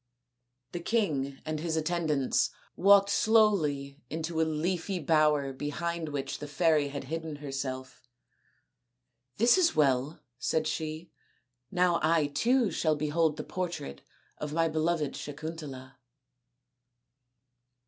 The king and his attendants walked slowly into a leafy bower behind which the fairy had hidden herself. " This is well," said she; " now I too shall behold the portrait of my beloved Sakuntala."